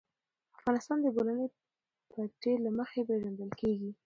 افغانستان د د بولان پټي له مخې پېژندل کېږي.